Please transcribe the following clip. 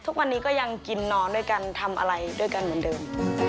ทุกวันนี้ก็ยังกินนอนด้วยกันทำอะไรด้วยกันเหมือนเดิม